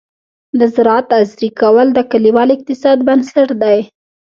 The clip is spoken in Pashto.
د زراعت عصري کول د کليوال اقتصاد بنسټ دی.